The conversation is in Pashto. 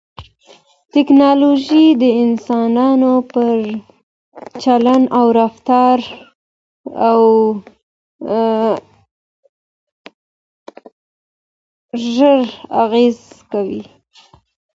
ټکنالوژي د انسانانو پر چلند او رفتار ژوره اغېزه کوي.